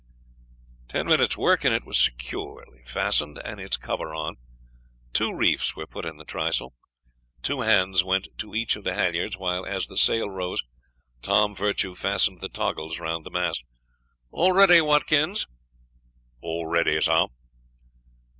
Ten minutes' work and it was securely fastened and its cover on; two reefs were put in the trysail. Two hands went to each of the halliards, while, as the sail rose, Tom Virtue fastened the toggles round the mast. "All ready, Watkins?" "All ready, sir."